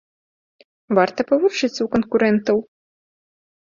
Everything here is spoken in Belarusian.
Варта павучыцца ў канкурэнтаў.